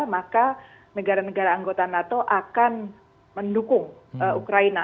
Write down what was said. maka negara negara anggota nato akan mendukung ukraina